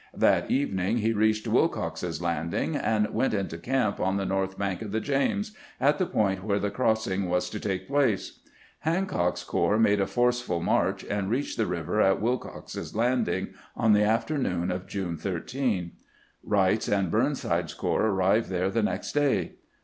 That evening he reached Wilcox's Landing, and went into camp on the north bank of the James, at the point where the cross ing was to take place. Hancock's corps made a forced march, and reached the river at Wilcox's. Landing on the afternoon of June 13. Wright's and Burnside's corps arrived there the next day.